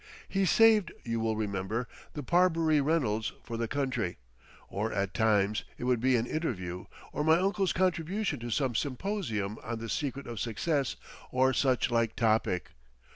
He saved, you will remember, the Parbury Reynolds for the country. Or at times, it would be an interview or my uncle's contribution to some symposium on the "Secret of Success," or such like topic.